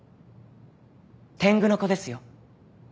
天狗の子ですよ。